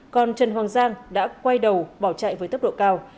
còn trần hoàng giang đã quay đầu bỏ chạy với tốc độ cao